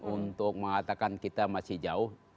untuk mengatakan kita masih jauh